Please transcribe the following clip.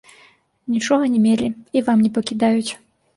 Нічога не мелі і вам не пакідаюць.